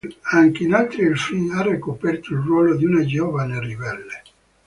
Anche in altri film ha ricoperto il ruolo di una giovane ribelle.